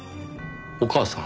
お母さん？